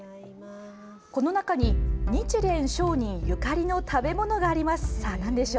この中に、日蓮聖人ゆかりの食べ物があります。